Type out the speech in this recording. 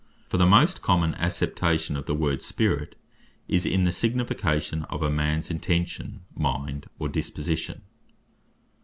For the most common acceptation of the word Spirit, is in the signification of a mans intention, mind, or disposition.